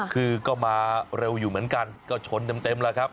คือก็มาเร็วอยู่เหมือนกันก็ชนเต็มแล้วครับ